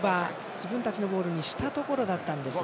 自分たちのボールにしたところだったんですが。